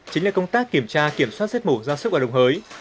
chính là công tác kiểm tra kiểm soát giết mổ ra sức và đồng hới